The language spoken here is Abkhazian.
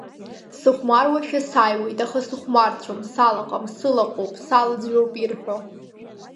Сыхәмаруашәа сааиуеит, аха сыхәмарцәом, салаҟам, сылаҟоуп, салаӡҩоуп ирҳәо.